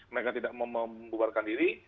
mereka tidak membubarkan diri